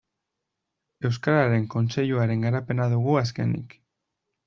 Euskararen Kontseiluaren garapena dugu azkenik.